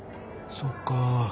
そうかあ。